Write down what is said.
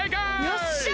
よっしゃ！